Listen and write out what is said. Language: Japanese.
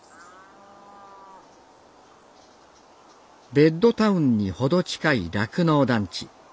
ベッドタウンに程近い酪農団地。